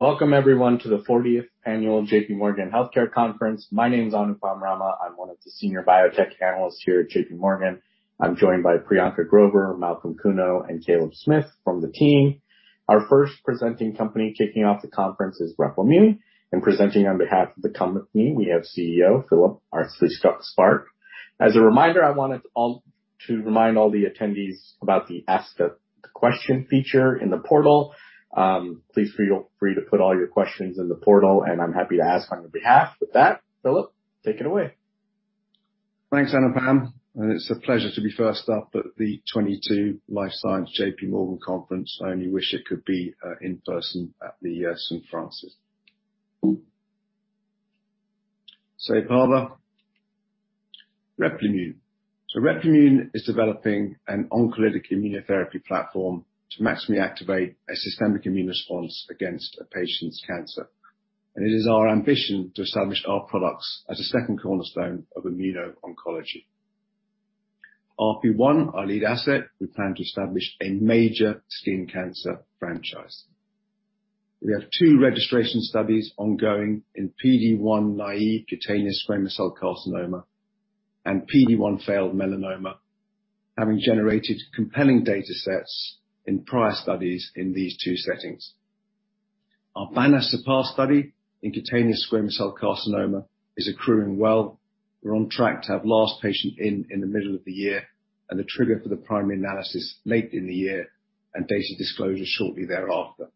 Welcome everyone to the 40th annual JPMorgan Healthcare Conference. My name is Anupam Rama. I'm one of the senior biotech analysts here at JPMorgan. I'm joined by Priyanka Grover, Malcolm Kuno, and Caleb Smith from the team. Our first presenting company kicking off the conference is Replimune, and presenting on behalf of the company, we have Chief Executive Officer Philip Astley-Sparke. As a reminder, to remind all the attendees about the ask a question feature in the portal. Please feel free to put all your questions in the portal, and I'm happy to ask on your behalf. With that, Philip, take it away. Thanks, Anupam Rama, and it's a pleasure to be first up at the 2022 Life Science JPMorgan conference. I only wish it could be in person at the Westin St. Francis in San Francisco. Replimune. Replimune is developing an oncolytic immunotherapy platform to maximally activate a systemic immune response against a patient's cancer. It is our ambition to establish our products as a second cornerstone of immuno-oncology. RP1, our lead asset, we plan to establish a major skin cancer franchise. We have two registration studies ongoing in PD-1-naive cutaneous squamous cell carcinoma and PD-1 failed melanoma, having generated compelling data sets in prior studies in these two settings. Our CERPASS study in cutaneous squamous cell carcinoma is accruing well. We're on track to have last patient in in the middle of the year and the trigger for the primary analysis late in the year and data disclosure shortly thereafter.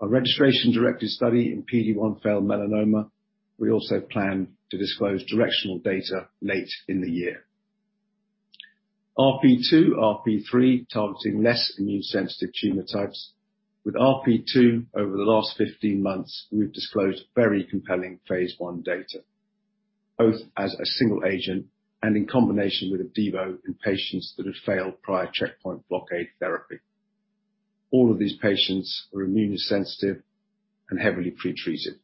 Our registration-directed study in PD-1 failed melanoma. We also plan to disclose directional data late in the year. RP2, RP3 targeting less immune sensitive tumor types. With RP2, over the last 15 months, we've disclosed very compelling phase I data, both as a single agent and in combination with Opdivo in patients that have failed prior checkpoint blockade therapy. All of these patients were immune sensitive and heavily pre-treated.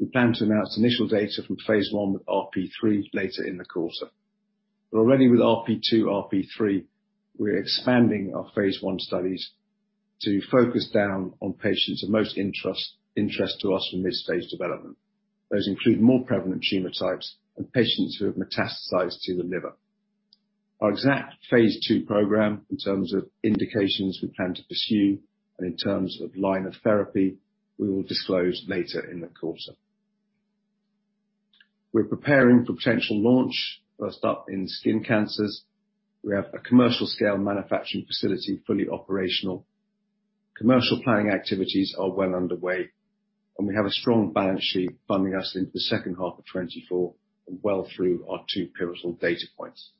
We plan to announce initial data from phase I with RP3 later in the quarter. Already with RP2, RP3, we're expanding our phase I studies to focus down on patients of most interest to us in this phase development. Those include more prevalent tumor types and patients who have metastasized to the liver. Our exact phase II program in terms of indications we plan to pursue and in terms of line of therapy, we will disclose later in the quarter. We're preparing for potential launch, first up in skin cancers. We have a commercial scale manufacturing facility, fully operational. Commercial planning activities are well underway, and we have a strong balance sheet funding us into the second half of 2024 and well through our two pivotal data points.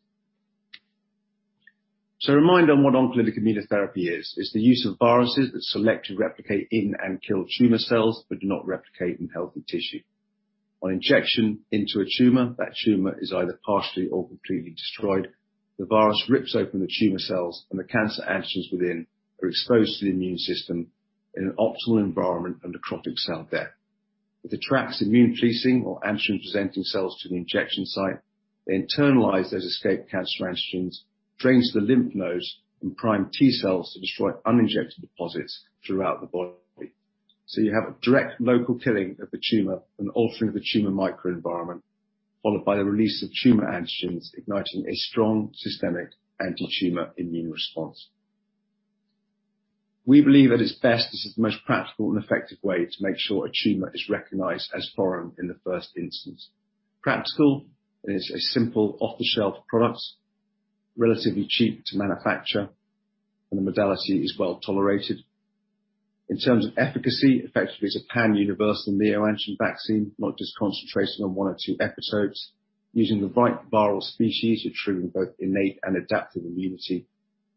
A reminder on what oncolytic immunotherapy is. It's the use of viruses that selectively replicate in and kill tumor cells, but do not replicate in healthy tissue. On injection into a tumor, that tumor is either partially or completely destroyed. The virus rips open the tumor cells, and the cancer antigens within are exposed to the immune system in an optimal environment of necrotic cell death. It attracts immune policing or antigen-presenting cells to the injection site. They internalize those escaped cancer antigens, drain to the lymph nodes and prime T cells to destroy uninjected deposits throughout the body. You have a direct local killing of the tumor, an altering of the tumor microenvironment, followed by the release of tumor antigens igniting a strong systemic anti-tumor immune response. We believe at its best, this is the most practical and effective way to make sure a tumor is recognized as foreign in the first instance. Practical, it is a simple off-the-shelf product, relatively cheap to manufacture, and the modality is well-tolerated. In terms of efficacy, effectively, it's a pan universal neoantigen vaccine, not just concentrated on one or two epitopes. Using the right viral species, you're triggering both innate and adaptive immunity.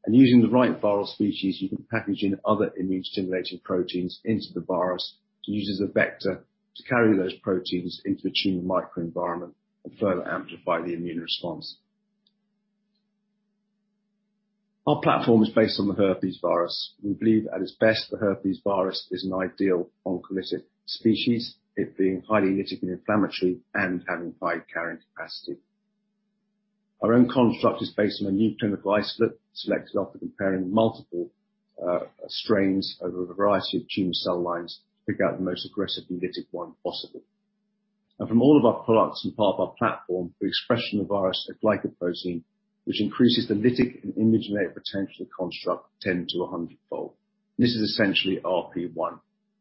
Using the right viral species, you can package in other immune-stimulating proteins into the virus to use as a vector to carry those proteins into the tumor microenvironment and further amplify the immune response. Our platform is based on the herpes virus. We believe at its best, the herpes virus is an ideal oncolytic species, it being highly lytic and inflammatory and having high carrying capacity. Our own construct is based on a new clinical isolate selected after comparing multiple strains over a variety of tumor cell lines to pick out the most aggressively lytic one possible. From all of our products and part of our platform, we express in the virus a glycoprotein which increases the lytic and immunogenic potential of the construct 10 to 100 fold. This is essentially RP1,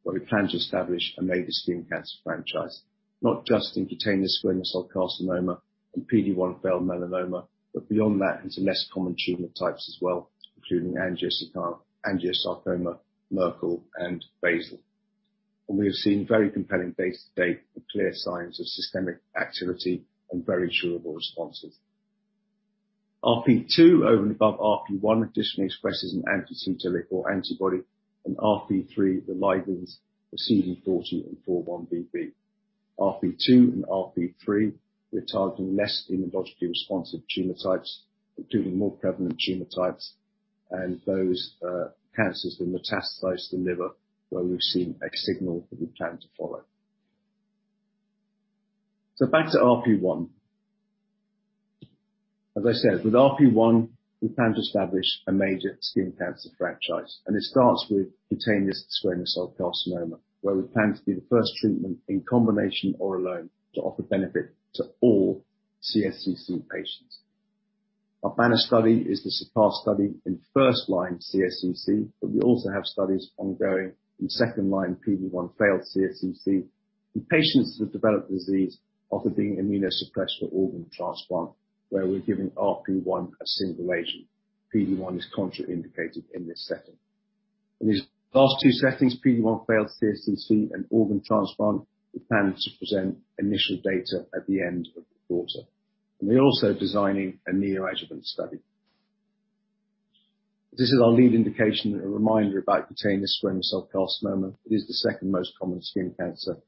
where we plan to establish a major skin cancer franchise, not just in cutaneous squamous cell carcinoma and PD-1 failed melanoma, but beyond that into less common tumor types as well, including angiosarcoma, Merkel, and basal. We have seen very compelling data to date and clear signs of systemic activity and very curable responses. RP2 over and above RP1, additionally expresses an anti-CTLA-4 antibody and RP3 the ligands for CD40 and 4-1BB. RP2 and RP3, we're targeting less immunologically responsive tumor types, including more prevalent tumor types and those, cancers that metastasize the liver where we've seen a signal that we plan to follow. Back to RP1. As I said, with RP1, we plan to establish a major skin cancer franchise, and it starts with cutaneous squamous cell carcinoma, where we plan to be the first treatment in combination or alone to offer benefit to all CSCC patients. Our banner study is the CERPASS study in first-line CSCC, but we also have studies ongoing in second-line PD-1 failed CSCC. In patients that have developed disease after being immunosuppressed for organ transplant, where we're giving RP1 as a single agent. PD-1 is contraindicated in this setting. In these last two settings, PD-1 failed CSCC and organ transplant, we plan to present initial data at the end of the quarter. We're also designing a neoadjuvant study. This is our lead indication and a reminder about cutaneous squamous cell carcinoma. It is the second most common skin cancer.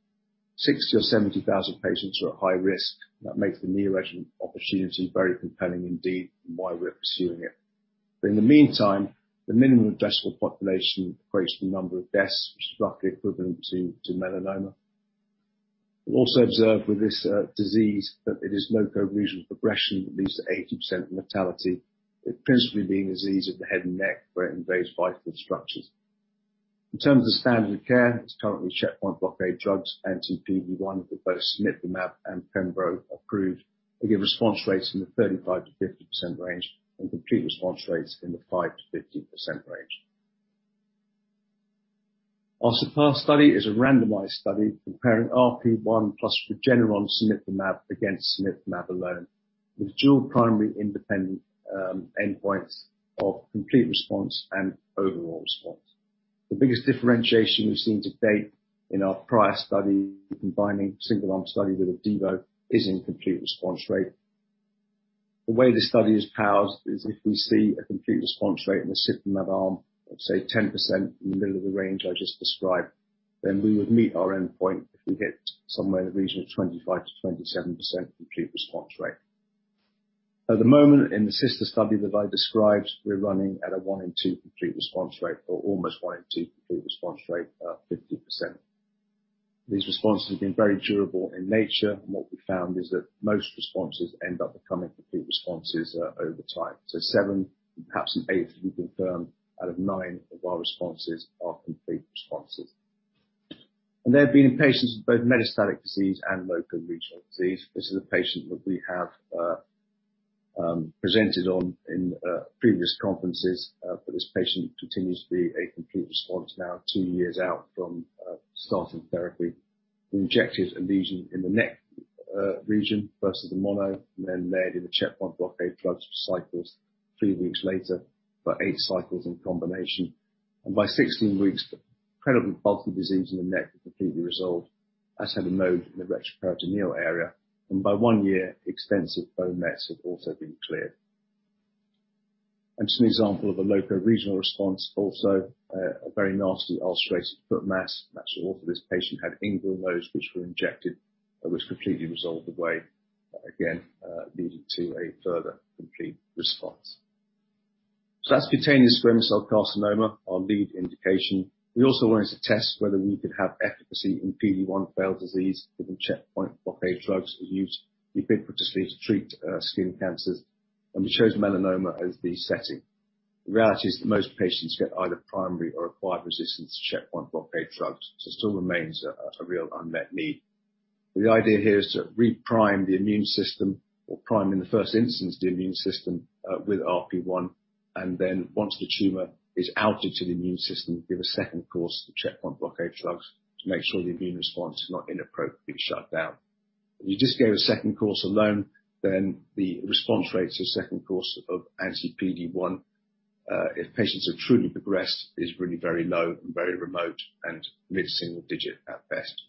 60,000 or 70,000 patients are at high risk. That makes the neoadjuvant opportunity very compelling indeed and why we're pursuing it. In the meantime, the minimum adjustable population equates to the number of deaths, which is roughly equivalent to melanoma. We also observed with this disease that it is locoregional progression that leads to 80% mortality, it principally being disease of the head and neck where it invades vital structures. In terms of standard care, it's currently checkpoint blockade drugs, anti-PD-1, with both Cemiplimab and Pembrolizumab approved. They give response rates in the 35%-50% range and complete response rates in the 5%-15% range. Our CERPASS study is a randomized study comparing RP1 plus Regeneron Cemiplimab against Cemiplimab alone, with dual primary independent endpoints of complete response and overall response. The biggest differentiation we've seen to date in our prior study, combining single arm study with Opdivo, is in complete response rate. The way the study is powered is if we see a complete response rate in the Cemiplimab arm of, say, 10% in the middle of the range I just described, then we would meet our endpoint if we get somewhere in the region of 25%-27% complete response rate. At the moment, in the sister study that I described, we're running at a 1-in-2 complete response rate or almost 1-in-2 complete response rate of 50%. These responses have been very durable in nature, and what we found is that most responses end up becoming complete responses over time. Seven, perhaps eight have been confirmed out of nine of our responses are complete responses. They've been in patients with both metastatic disease and locoregional disease. This is a patient that we have presented on in previous conferences, but this patient continues to be a complete response now two years out from start of therapy. We injected a lesion in the neck region versus the node and then layered in the checkpoint blockade drugs cycles three weeks later for eight cycles in combination. By 16 weeks, the incredibly bulky disease in the neck had completely resolved, as had a node in the retroperitoneal area. By one year, extensive bone metastases have also been cleared. Just an example of a locoregional response also, a very nasty ulcerated foot mass. Actually, also this patient had inguinal nodes which were injected and was completely resolved away. Again, leading to a further complete response. That's cutaneous squamous cell carcinoma, our lead indication. We also wanted to test whether we could have efficacy in PD-1 failed disease with the checkpoint blockade drugs used ubiquitously to treat skin cancers. We chose melanoma as the setting. The reality is that most patients get either primary or acquired resistance to checkpoint blockade drugs. It still remains a real unmet need. The idea here is to re-prime the immune system or prime in the first instance the immune system with RP1, and then once the tumor is outed to the immune system, give a second course of checkpoint blockade drugs to make sure the immune response is not inappropriately shut down. If you just gave a second course alone, then the response rates of second course of anti-PD-1, if patients have truly progressed, is really very low and very remote and mid-single digit at best.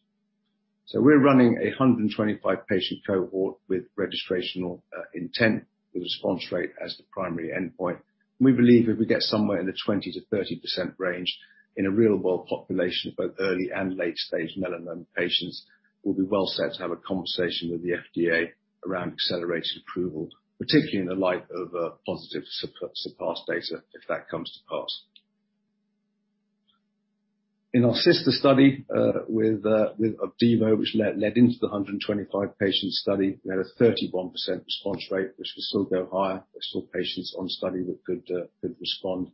We're running a 125 patient cohort with registrational intent with response rate as the primary endpoint. We believe if we get somewhere in the 20%-30% range in a real-world population of both early and late stage melanoma patients, we'll be well set to have a conversation with the FDA around accelerated approval, particularly in the light of positive CERPASS data, if that comes to pass. In our sister study with Opdivo, which led into the 125 patient study, we had a 31% response rate, which could still go higher. There's still patients on study that could respond.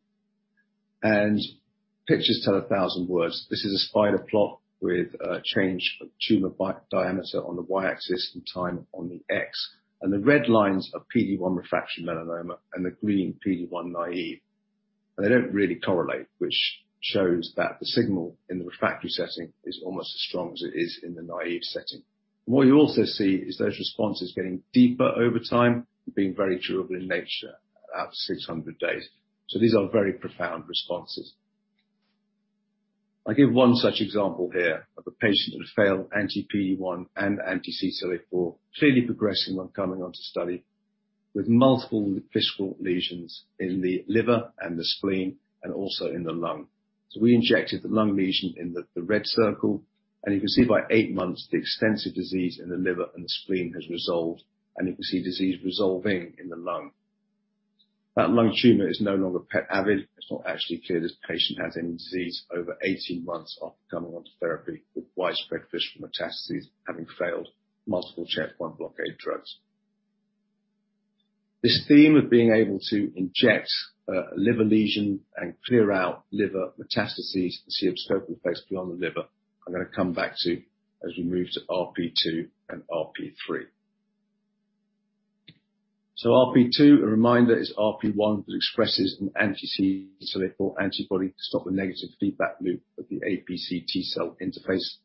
Pictures tell a thousand words. This is a spider plot with change of tumor diameter on the Y-axis and time on the x-axis. The red lines are PD-1 refractory melanoma and the green PD-1 naïve. They don't really correlate, which shows that the signal in the refractory setting is almost as strong as it is in the naïve setting. What you also see is those responses getting deeper over time and being very durable in nature at about 600 days. These are very profound responses. I give one such example here of a patient that had failed anti-PD-1 and anti-CTLA-4, clearly progressing when coming onto study, with multiple visceral lesions in the liver and the spleen and also in the lung. We injected the lung lesion in the red circle, and you can see by 8 months the extensive disease in the liver and the spleen has resolved, and you can see disease resolving in the lung. That lung tumor is no longer PET-avid. It's not actually clear this patient has any disease over 18 months after coming onto therapy with widespread visceral metastases, having failed multiple checkpoint blockade drugs. This theme of being able to inject a liver lesion and clear out liver metastases and see abscopal effects beyond the liver, I'm gonna come back to as we move to RP2 and RP3. RP2, a reminder, is RP1 that expresses an anti-T cell antibody to stop the negative feedback loop of the APC T-cell interface.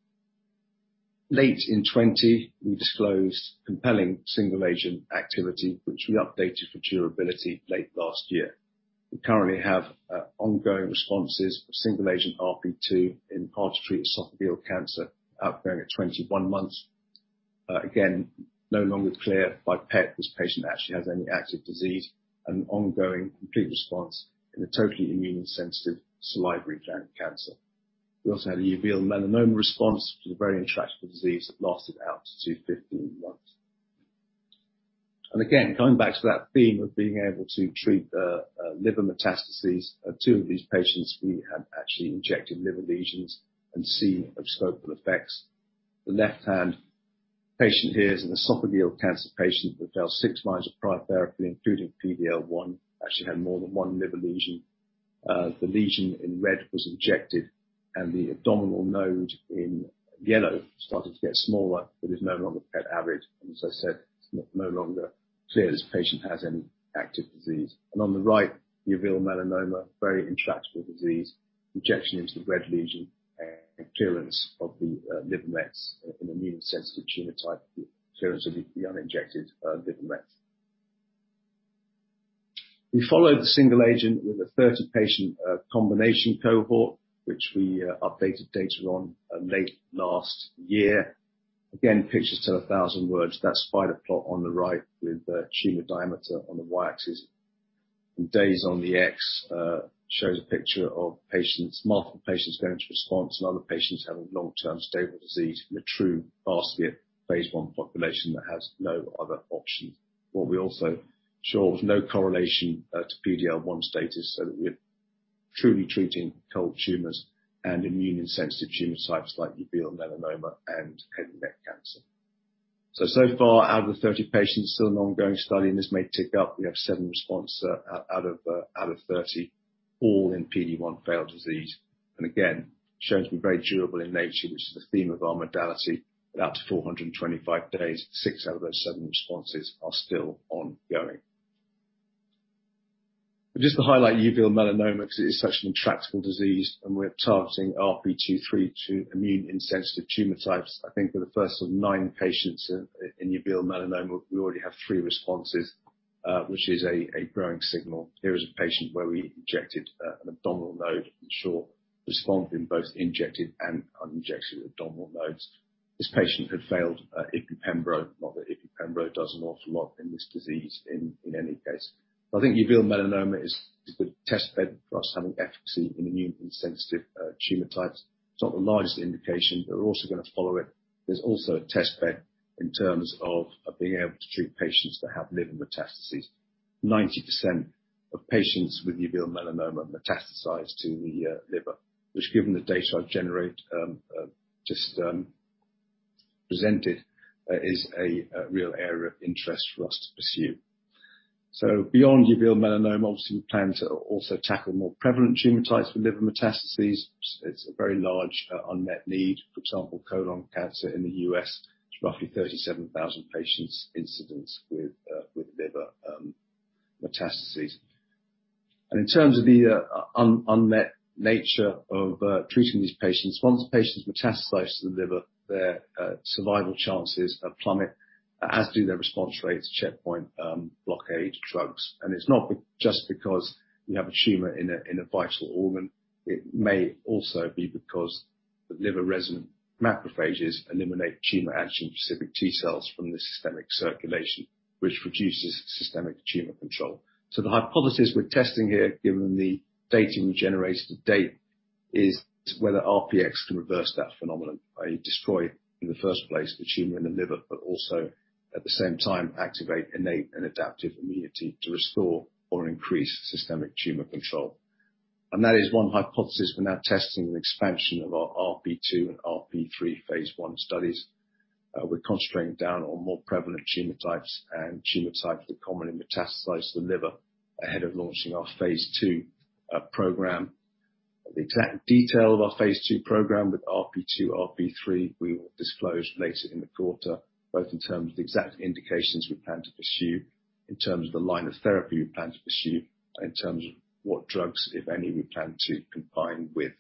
Late in 2020, we disclosed compelling single-agent activity, which we updated for durability late last year. We currently have ongoing responses for single-agent RP2 in hard-to-treat esophageal cancer out there at 21 months. Again, no longer clear by PET this patient actually has any active disease, and an ongoing complete response in a totally immune-insensitive salivary gland cancer. We also had a uveal melanoma response to the very intractable disease that lasted out to 15 months. Again, going back to that theme of being able to treat liver metastases, two of these patients we have actually injected liver lesions and seen abscopal effects. The left-hand patient here is an esophageal cancer patient who failed six lines of prior therapy, including PD-L1, actually had more than one liver lesion. The lesion in red was injected and the abdominal node in yellow started to get smaller, but is no longer PET-avid, and as I said, it's no longer clear this patient has any active disease. On the right, uveal melanoma, very intractable disease, injection into the red lesion and clearance of the liver metastases in immune-sensitive tumor type, the clearance of the uninjected liver metastases. We followed the single agent with a 30-patient combination cohort, which we updated data on late last year. Again, pictures tell a thousand words. That spider plot on the right with the tumor diameter on the y-axis and days on the x shows a picture of patients, multiple patients going into response and other patients having long-term stable disease in a true basket phase I population that has no other option. What we also show is no correlation to PD-L1 status so that we're truly treating cold tumors and immune-insensitive tumor types like uveal melanoma and head and neck cancer. So far, out of the 30 patients, still an ongoing study, and this may tick up, we have seven responses out of 30, all in PD-1 failed disease, and again, showing to be very durable in nature, which is the theme of our modality, with up to 425 days, six out of those seven responses are still ongoing. Just to highlight uveal melanoma, 'cause it is such an intractable disease, and we're targeting RP2 immune-insensitive tumor types. I think for the first nine patients in uveal melanoma, we already have three responses, which is a growing signal. Here is a patient where we injected an abdominal node, and saw response in both injected and uninjected abdominal nodes. This patient had failed ipi-pembro, not that ipi-pembro does an awful lot in this disease in any case. I think uveal melanoma is the testbed for us having efficacy in immune-insensitive tumor types. It's not the largest indication, but we're also gonna follow it. There's also a testbed in terms of being able to treat patients that have liver metastases. 90% of patients with uveal melanoma metastasize to the liver, which given the data I generate just presented is a real area of interest for us to pursue. Beyond uveal melanoma, obviously we plan to also tackle more prevalent tumor types with liver metastases. It's a very large unmet need. For example, colon cancer in the U.S., it's roughly 37,000 patients incidence with liver metastases. In terms of the unmet nature of treating these patients, once the patient's metastasized to the liver, their survival chances plummet, as do their response rates to checkpoint blockade drugs. It's not just because you have a tumor in a vital organ. It may also be because the liver-resident macrophages eliminate tumor antigen-specific T-cells from the systemic circulation, which reduces systemic tumor control. The hypothesis we're testing here, given the data we generated to date, is whether RPx can reverse that phenomenon, i.e., destroy in the first place the tumor in the liver, but also at the same time activate innate and adaptive immunity to restore or increase systemic tumor control. That is one hypothesis we're now testing with expansion of our RP2 and RP3 phase I studies. We're concentrating down on more prevalent tumor types and tumor types that commonly metastasize to the liver ahead of launching our phase II program. The exact detail of our phase II program with RP2, RP3, we will disclose later in the quarter, both in terms of the exact indications we plan to pursue, in terms of the line of therapy we plan to pursue, in terms of what drugs, if any, we plan to combine with.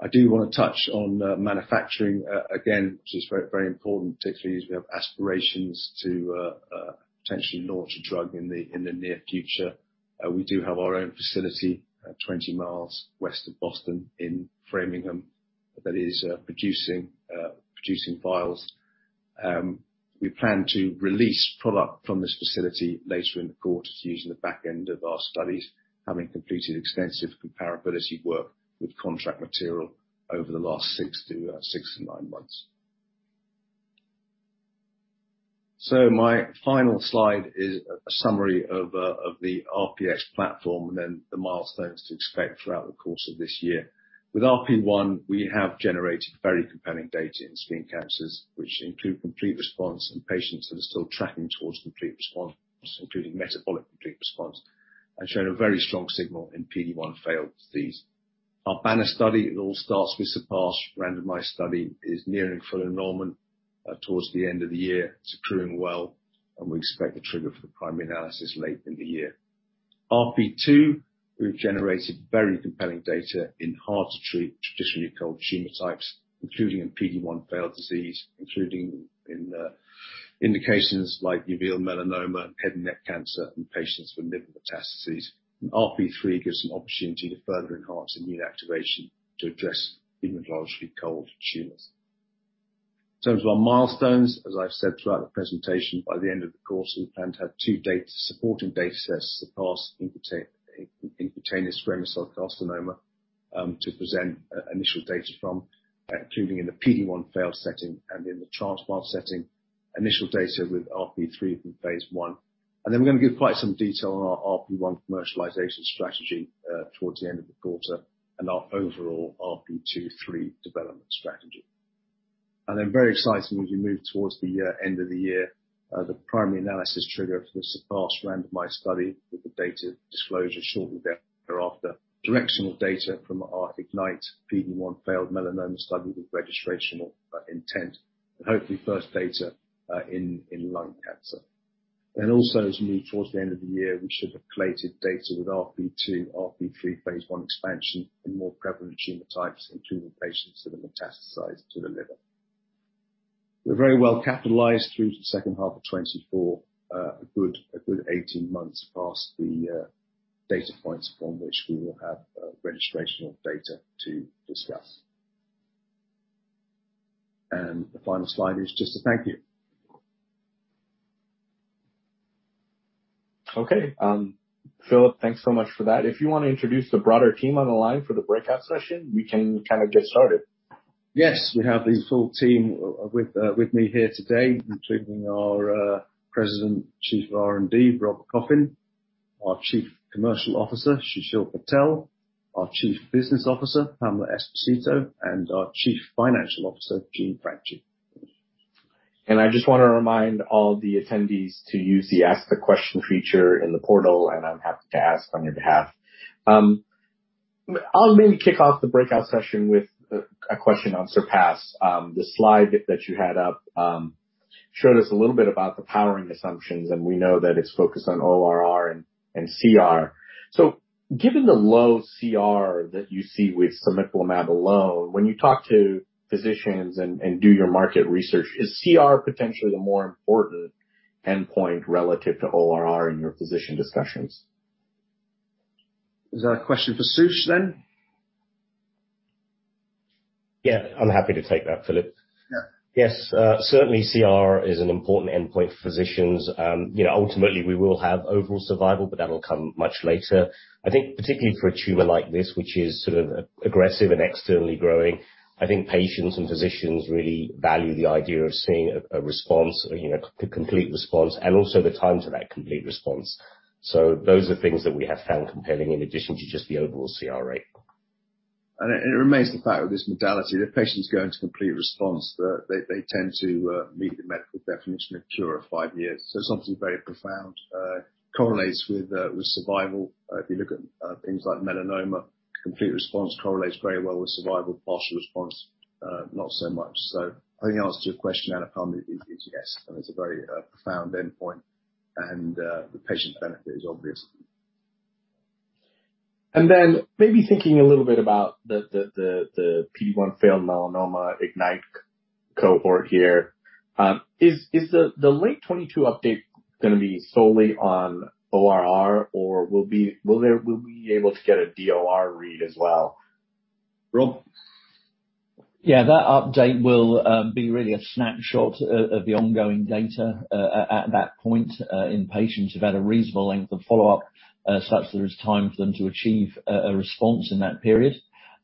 I do wanna touch on manufacturing again, which is very, very important, particularly as we have aspirations to potentially launch a drug in the near future. We do have our own facility 20 miles west of Boston in Framingham that is producing vials. We plan to release product from this facility later in the quarter to use in the back end of our studies, having completed extensive comparability work with contract material over the last six to nine months. My final slide is a summary of the RPX platform and then the milestones to expect throughout the course of this year. With RP1, we have generated very compelling data in skin cancers, which include complete response in patients that are still tracking towards complete response, including metabolic complete response, and shown a very strong signal in PD-1 failed disease. Our banner study, It All Starts with CERPASS randomized study, is nearing full enrollment towards the end of the year. It's accruing well, and we expect the trigger for the primary analysis late in the year. RP2, we've generated very compelling data in hard to treat traditionally cold tumor types, including in PD-1 failed disease, including in indications like uveal melanoma, head and neck cancer, and patients with liver metastases. RP3 gives an opportunity to further enhance immune activation to address immunologically cold tumors. In terms of our milestones, as I've said throughout the presentation, by the end of the year, we plan to have two data supporting datasets for cutaneous squamous cell carcinoma, to present initial data from, including in the PD-1 failed setting and in the transplant setting. Initial data with RP3 from phase I. We're gonna give quite some detail on our RP1 commercialization strategy towards the end of the quarter and our overall RP2/3 development strategy. Then very exciting, as you move towards the end of the year, the primary analysis trigger for the CERPASS randomized study with the data disclosure shortly thereafter. Directional data from our IGNYTE PD-1 failed melanoma study with registrational intent, and hopefully first data in lung cancer. As we move towards the end of the year, we should have collated data with RP2, RP3 phase I expansion in more prevalent tumor types, including patients that are metastasized to the liver. We're very well capitalized through to the second half of 2024, a good 18 months past the data points from which we will have registrational data to discuss. The final slide is just a thank you. Okay. Philip, thanks so much for that. If you wanna introduce the broader team on the line for the breakout session, we can kinda get started. Yes. We have the full team with me here today, including our President, Chief Research and Development Officer, Robert Coffin, our Chief Commercial Officer, Sushil Patel, our Chief Business Officer, Pamela Esposito, and our Chief Financial Officer, Jean Franchi. I just wanna remind all the attendees to use the ask the question feature in the portal, and I'm happy to ask on your behalf. I'll maybe kick off the breakout session with a question on CERPASS. The slide that you had up showed us a little bit about the powering assumptions, and we know that it's focused on ORR and CR. Given the low CR that you see with cemiplimab alone, when you talk to physicians and do your market research, is CR potentially the more important endpoint relative to ORR in your physician discussions? Is that a question for Sushil then? Yeah, I'm happy to take that, Philip. Yeah. Yes, certainly CR is an important endpoint for physicians. You know, ultimately we will have overall survival, but that'll come much later. I think particularly for a tumor like this, which is sort of aggressive and externally growing, I think patients and physicians really value the idea of seeing a response or, you know, a complete response and also the time to that complete response. Those are things that we have found compelling in addition to just the overall CR rate. It remains the fact with this modality, the patients go into complete response. They tend to meet the medical definition of cure of five years. Something very profound correlates with survival. If you look at things like melanoma, complete response correlates very well with survival. Partial response not so much. I think the answer to your question, Alan, fundamentally is yes, and it's a very profound endpoint, and the patient benefit is obvious. Maybe thinking a little bit about the PD-1 failed melanoma IGNYTE cohort here. Is the late 2022 update gonna be solely on ORR, or will we be able to get a DOR read as well? Robert? Yeah. That update will be really a snapshot of the ongoing data at that point in patients who've had a reasonable length of follow-up such that there is time for them to achieve a response in that period.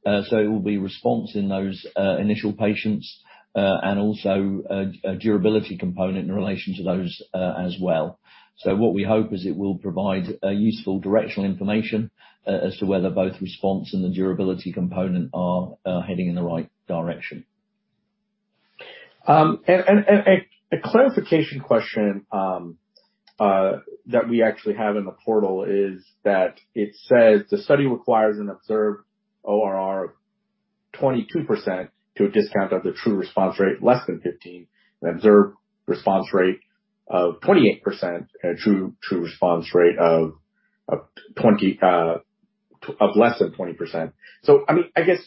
It will be response in those initial patients and also a durability component in relation to those as well. What we hope is it will provide useful directional information as to whether both response and the durability component are heading in the right direction. A clarification question that we actually have in the portal is that it says the study requires an observed ORR of 22% to a discount of the true response rate less than 15%, an observed response rate of 28% and a true response rate of less than 20%. I mean, I guess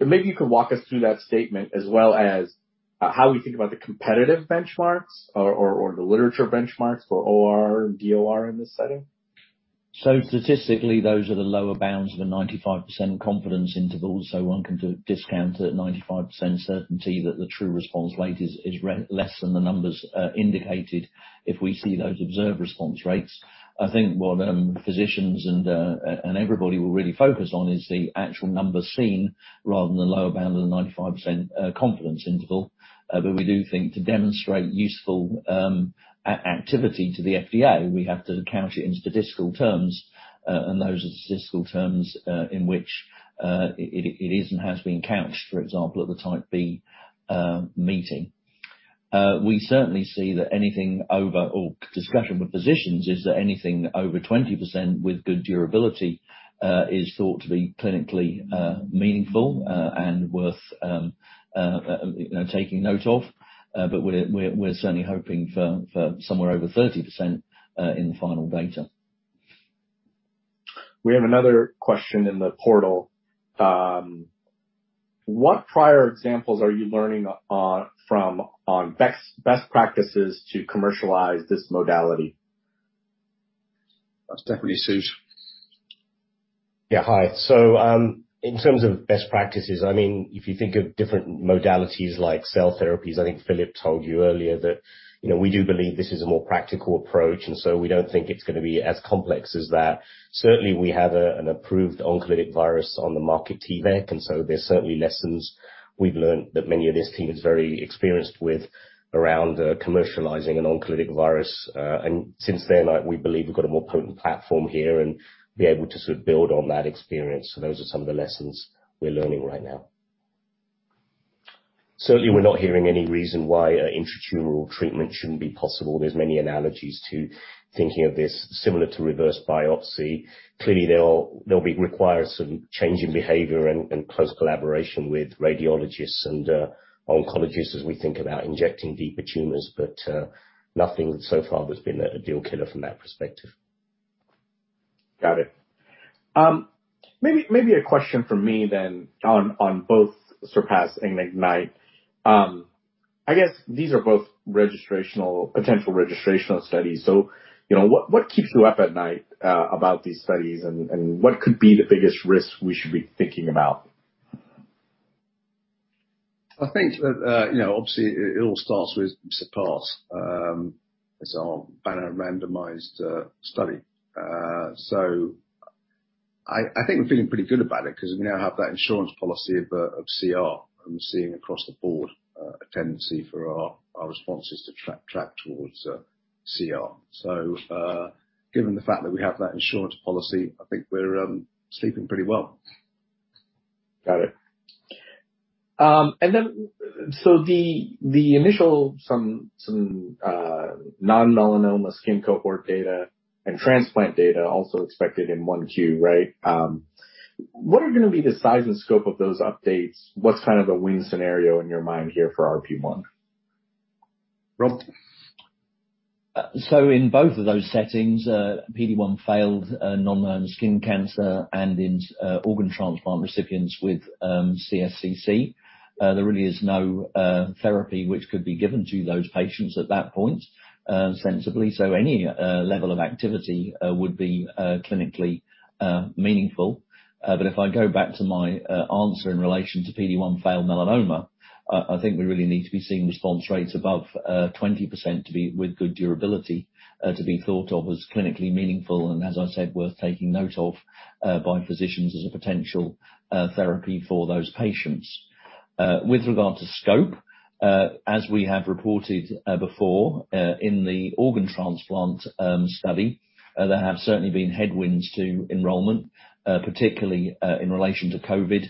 maybe you could walk us through that statement as well as how we think about the competitive benchmarks or the literature benchmarks for ORR and DOR in this setting. Statistically, those are the lower bounds of the 95% confidence interval, so one can discount at 95% certainty that the true response rate is less than the numbers indicated if we see those observed response rates. I think what physicians and everybody will really focus on is the actual numbers seen rather than the lower bound of the 95% confidence interval. We do think to demonstrate useful activity to the FDA, we have to count it in statistical terms, and those are the statistical terms in which it is and has been couched, for example, at the Type B meeting. We certainly see that anything over, our discussion with physicians, is that anything over 20% with good durability is thought to be clinically meaningful and worth you know taking note of. We're certainly hoping for somewhere over 30% in the final data. We have another question in the portal. What prior examples are you learning from on best practices to commercialize this modality? That's definitely Sushil, Yeah. Hi. In terms of best practices, I mean, if you think of different modalities like cell therapies, I think Philip told you earlier that, you know, we do believe this is a more practical approach, and so we don't think it's gonna be as complex as that. Certainly, we have an approved oncolytic virus on the market, T-VEC, and so there's certainly lessons we've learned that many of this team is very experienced with around commercializing an oncolytic virus. Since then, like, we believe we've got a more potent platform here and be able to sort of build on that experience. Those are some of the lessons we're learning right now. Certainly, we're not hearing any reason why an intratumoral treatment shouldn't be possible. There's many analogies to thinking of this similar to reverse biopsy. Clearly, there'll be required some change in behavior and close collaboration with radiologists and oncologists as we think about injecting deeper tumors, but nothing so far that's been a deal killer from that perspective. Got it. Maybe a question from me then on both CERPASS and IGNYTE. I guess these are both potential registrational studies. You know, what keeps you up at night about these studies and what could be the biggest risk we should be thinking about? I think that, you know, obviously it all starts with CERPASS, as our randomized study. I think we're feeling pretty good about it 'cause we now have that insurance policy of CR and we're seeing across the board a tendency for our responses to track towards CR. Given the fact that we have that insurance policy, I think we're sleeping pretty well. Got it. The initial non-melanoma skin cohort data and transplant data also expected in 1Q, right? What are gonna be the size and scope of those updates? What's kind of the win scenario in your mind here for RP1? Robert? In both of those settings, PD-1 failed non-melanoma skin cancer and in organ transplant recipients with CSCC, there really is no therapy which could be given to those patients at that point sensibly. Any level of activity would be clinically meaningful. If I go back to my answer in relation to PD-1 failed melanoma, I think we really need to be seeing response rates above 20% to be with good durability to be thought of as clinically meaningful, and as I said, worth taking note of by physicians as a potential therapy for those patients. With regard to scope, as we have reported before, in the organ transplant study, there have certainly been headwinds to enrollment, particularly in relation to COVID,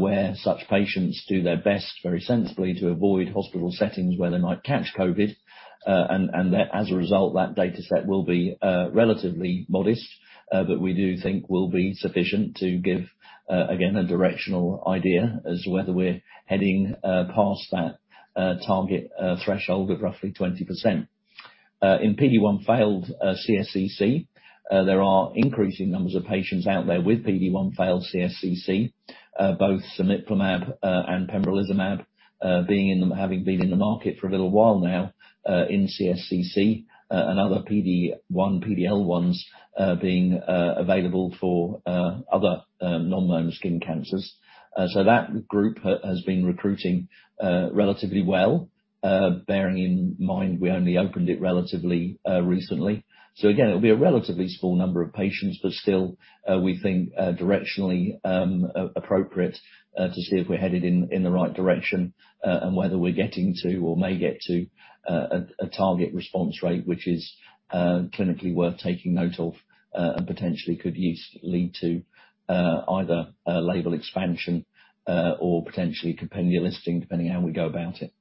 where such patients do their best, very sensibly, to avoid hospital settings where they might catch COVID. As a result, that dataset will be relatively modest, but we do think will be sufficient to give, again, a directional idea as to whether we're heading past that target threshold of roughly 20%. In PD-1 failed CSCC, there are increasing numbers of patients out there with PD-1 failed CSCC, both Cemiplimab and Pembrolizumab having been in the market for a little while now, in CSCC, and other PD-1, PD-L1s being available for other non-melanoma skin cancers. That group has been recruiting relatively well, bearing in mind we only opened it relatively recently. Again, it'll be a relatively small number of patients, but still, we think directionally appropriate to see if we're headed in the right direction, and whether we're getting to or may get to a target response rate which is clinically worth taking note of, and potentially could lead to either a label expansion or potentially compendial listing, depending on how we go about it.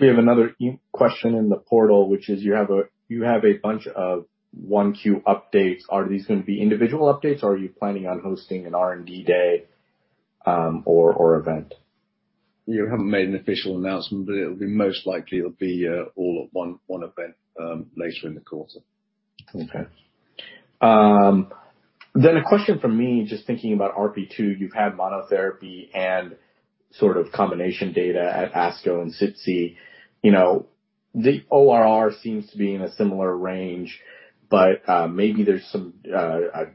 We have another question in the portal, which is you have a bunch of 1Q updates. Are these gonna be individual updates, or are you planning on hosting an R&D day, or event? We haven't made an official announcement, but it'll be most likely all at one event later in the quarter. Okay. A question from me, just thinking about RP2, you've had monotherapy and sort of combination data at ASCO and SITC. You know, the ORR seems to be in a similar range, but maybe there's some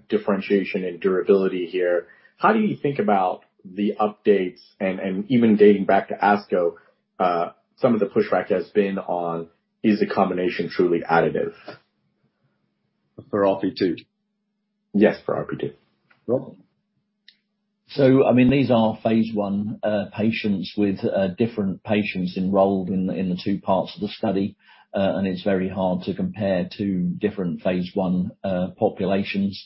differentiation in durability here. How do you think about the updates and even dating back to ASCO, some of the pushback has been on, is the combination truly additive? For RP2? Yes, for RP2. Robert? I mean, these are phase I patients with different patients enrolled in the two parts of the study. It's very hard to compare two different phase I populations,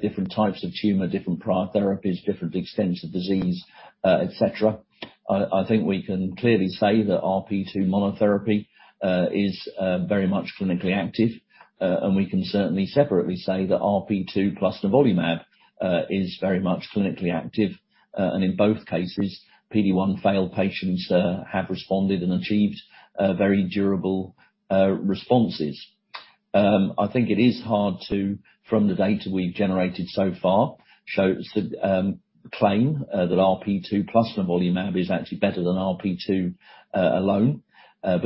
different types of tumor, different prior therapies, different extents of disease, et cetera. I think we can clearly say that RP2 monotherapy is very much clinically active. We can certainly separately say that RP2 plus Nivolumab is very much clinically active. In both cases, PD-1 failed patients have responded and achieved very durable responses. I think it is hard to, from the data we've generated so far, show us that claim that RP2 plus Nivolumab is actually better than RP2 alone.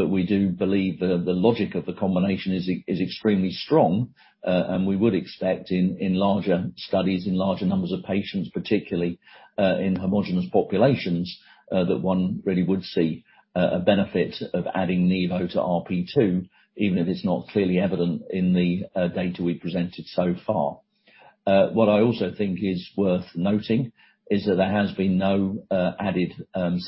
We do believe the logic of the combination is extremely strong, and we would expect in larger studies, in larger numbers of patients, particularly in homogenous populations, that one really would see a benefit of adding Nivolumab to RP2, even if it's not clearly evident in the data we presented so far. What I also think is worth noting is that there has been no added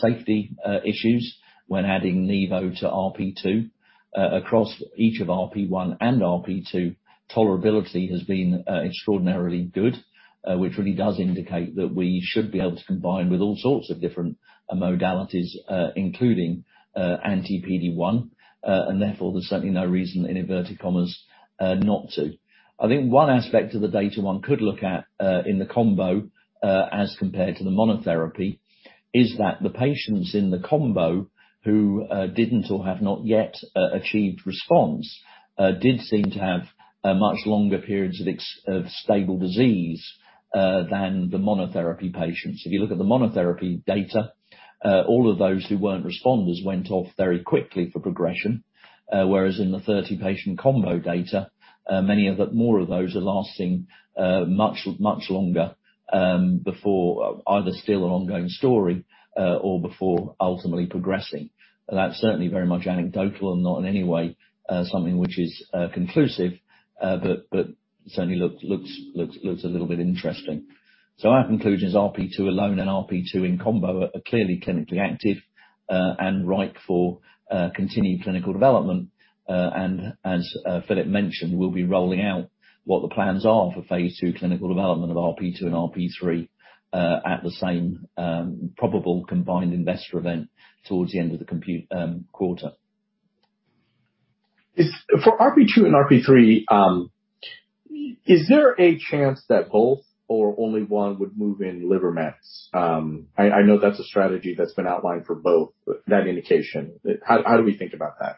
safety issues when adding Nivolumab to RP2. Across each of RP1 and RP2, tolerability has been extraordinarily good, which really does indicate that we should be able to combine with all sorts of different modalities, including anti-PD-1, and therefore there's certainly no reason in inverted commas not to. I think one aspect of the data one could look at in the combo as compared to the monotherapy is that the patients in the combo who didn't or have not yet achieved response did seem to have much longer periods of stable disease than the monotherapy patients. If you look at the monotherapy data, all of those who weren't responders went off very quickly for progression, whereas in the 30-patient combo data, many of the more of those are lasting much longer before either still an ongoing story or before ultimately progressing. That's certainly very much anecdotal and not in any way something which is conclusive, but certainly looks a little bit interesting. Our conclusion is RP2 alone and RP2 in combo are clearly clinically active, and ripe for continued clinical development. As Philip mentioned, we'll be rolling out what the plans are for phase II clinical development of RP2 and RP3, at the same probably combined investor event towards the end of the quarter. For RP2 and RP3, is there a chance that both or only one would move in liver metastases? I know that's a strategy that's been outlined for both, but that indication, how do we think about that?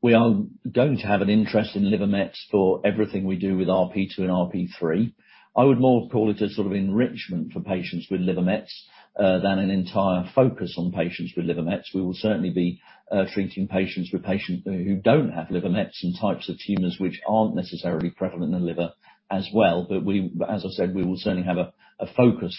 We are going to have an interest in liver metastases for everything we do with RP2 and RP3. I would more call it a sort of enrichment for patients with liver metastases than an entire focus on patients with liver metastases. We will certainly be treating patients who don't have liver metastases and types of tumors which aren't necessarily prevalent in the liver as well. We, as I said, will certainly have a focus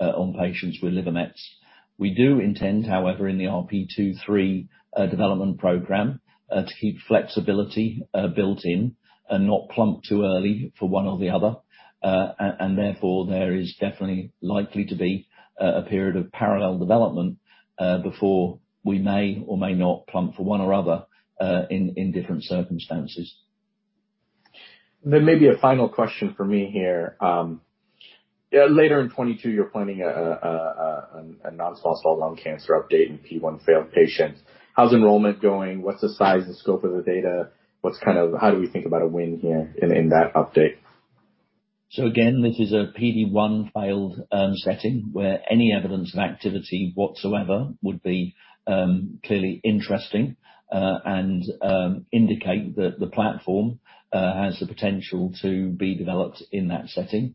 on patients with liver metastases. We do intend, however, in the RP2/3 development program to keep flexibility built in and not plunk too early for one or the other. Therefore there is definitely likely to be a period of parallel development before we may or may not plunk for one or other in different circumstances. Maybe a final question for me here. Yeah, later in 2022, you're planning a non-small cell lung cancer update in PD-1 failed patients. How's enrollment going? What's the size and scope of the data? How do we think about a win here in that update? Again, this is a PD-1 failed setting, where any evidence of activity whatsoever would be clearly interesting, and indicate that the platform has the potential to be developed in that setting.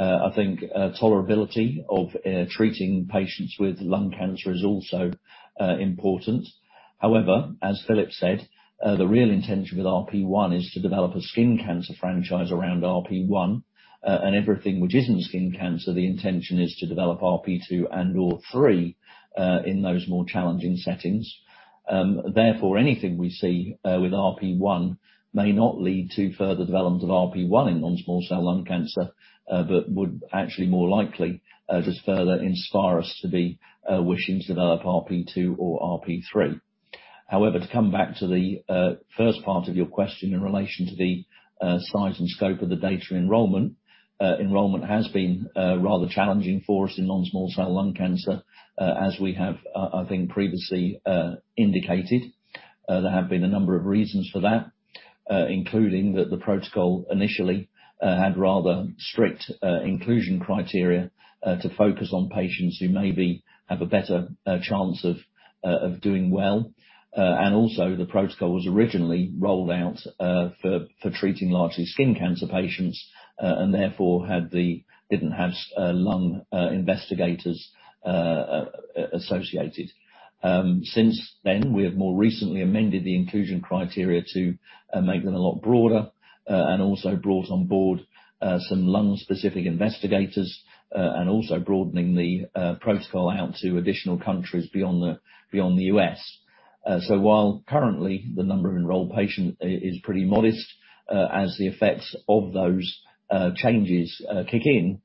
I think tolerability of treating patients with lung cancer is also important. However, as Philip said, the real intention with RP1 is to develop a skin cancer franchise around RP1, and everything which isn't skin cancer, the intention is to develop RP2 and or RP3 in those more challenging settings. Therefore, anything we see with RP1 may not lead to further development of RP1 in non-small cell lung cancer, but would actually more likely just further inspire us to be wishing to develop RP2 or RP3. However, to come back to the first part of your question in relation to the size and scope of the data enrollment has been rather challenging for us in non-small cell lung cancer, as we have, I think previously, indicated. There have been a number of reasons for that, including that the protocol initially had rather strict inclusion criteria to focus on patients who maybe have a better chance of doing well. Also the protocol was originally rolled out for treating largely skin cancer patients, and therefore didn't have lung investigators associated. Since then, we have more recently amended the inclusion criteria to make them a lot broader, and also brought on board some lung-specific investigators, and also broadening the protocol out to additional countries beyond the U.S. While currently the number of enrolled patients is pretty modest, as the effects of those changes kick in,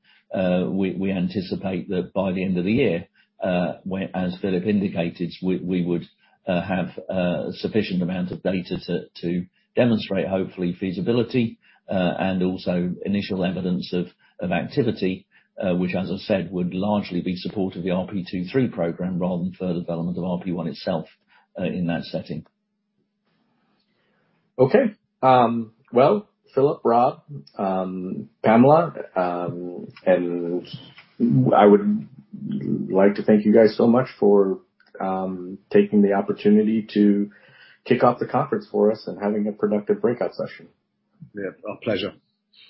we anticipate that by the end of the year, as Philip indicated, we would have sufficient amount of data to demonstrate, hopefully, feasibility, and also initial evidence of activity, which, as I said, would largely be support of the RP23 program rather than further development of RP1 itself, in that setting. Well, Philip, Robert, Pamela, and Sushil I would like to thank you guys so much for taking the opportunity to kick off the conference for us and having a productive breakout session. Yeah. Our pleasure.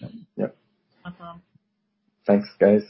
Yeah. Yep. Uh-huh. Thanks, guys.